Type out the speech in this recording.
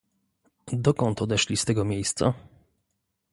"Dokąd odeszli z tego miejsca?"